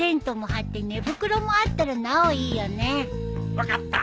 分かった。